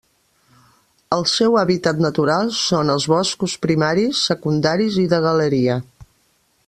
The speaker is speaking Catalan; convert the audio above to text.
El seu hàbitat natural són els boscos primaris, secundaris i de galeria.